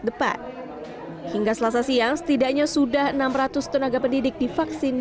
depan hingga selasa siang setidaknya sudah enam ratus tenaga pendidik divaksin